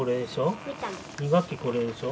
２学期これでしょ。